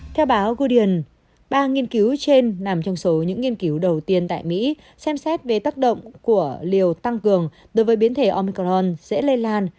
theo báo gudeian ba nghiên cứu trên nằm trong số những nghiên cứu đầu tiên tại mỹ xem xét về tác động của liều tăng cường đối với biến thể omicron dễ lây lan